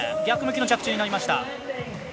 逆向きの着地になりました。